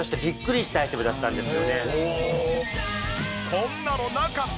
こんなのなかった！